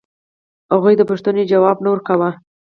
هغوی د پوښتنې ځواب نه ورکاوه.